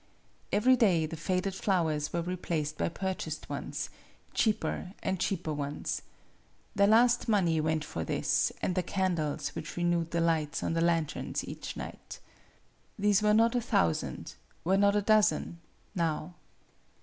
Every day the faded flowers were replaced by purchased ones cheaper and cheaper ones. Their last money went for this and the candles which renewed the lights of the lanterns each night. These were not a thousand were not a dozen now.